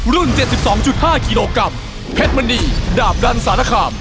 รุ่นเจ็ดสิบสองจุดห้ากิโลกรัมเพชรมณีดาบดันสารคาม